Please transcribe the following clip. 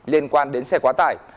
liên quan đến xe quá tải